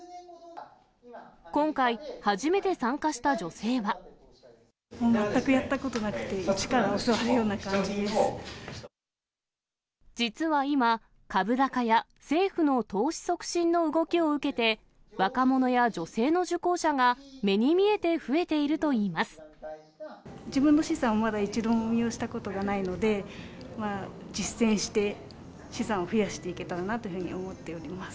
今回、全くやったことなくて、実は今、株高や政府の投資促進の動きを受けて、若者や女性の受講者が、自分の資産をまだ一度も運用したことがないので、実践して資産を増やしていけたらなというふうに思っております。